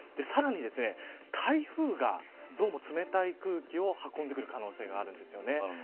さらに、台風がどうも冷たい空気を運んでくる可能性があるんです。